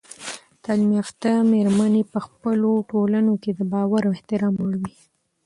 تعلیم یافته میرمنې په خپلو ټولنو کې د باور او احترام وړ وي.